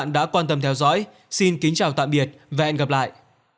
cảm ơn quý vị đã quan tâm theo dõi xin kính chào và hẹn gặp lại